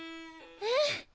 ⁉うん！